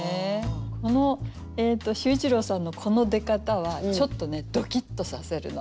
この秀一郎さんのこの出方はちょっとねドキッとさせるの。